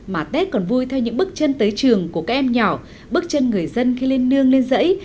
mà tết còn vui theo những bước chân tới trường của các em nhỏ bước chân người dân khi lên nương lên rẫy